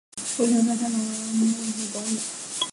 郭泉在香港曾任保良局及东华医院总理。